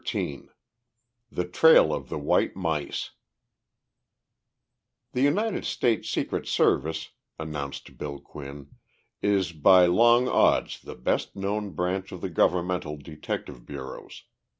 XIII THE TRAIL OF THE WHITE MICE "The United States Secret Service," announced Bill Quinn, "is by long odds the best known branch of the governmental detective bureaus.